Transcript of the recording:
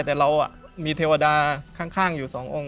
แต่เรามีเทวดาข้างอยู่๒องค์